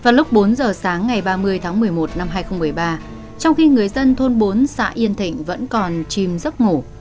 vào lúc bốn giờ sáng ngày ba mươi tháng một mươi một năm hai nghìn một mươi ba trong khi người dân thôn bốn xã yên thịnh vẫn còn chìm giấc ngủ